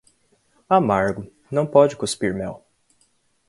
Amargo, não pode cuspir mel.